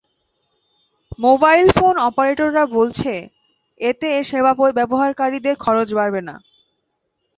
Mobile phone অপারেটররা বলছে, এতে এ সেবা ব্যবহারকারীদের খরচ বাড়বে না।